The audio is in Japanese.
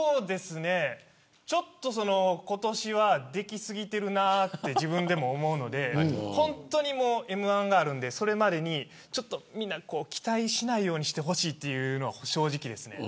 ちょっと今年は出来過ぎているなと自分でも思うので本当にＭ‐１があるのでそれまでに、みんな期待しないようにしてほしいというのが正直ですね。